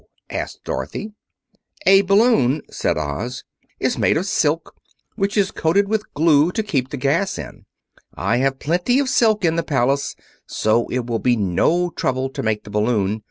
asked Dorothy. "A balloon," said Oz, "is made of silk, which is coated with glue to keep the gas in it. I have plenty of silk in the Palace, so it will be no trouble to make the balloon.